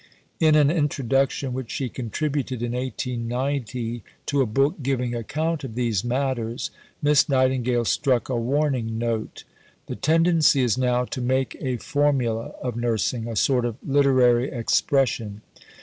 In an introduction which she contributed in 1890 to a book giving account of these matters, Miss Nightingale struck a warning note. "The tendency is now to make a formula of nursing; a sort of literary expression.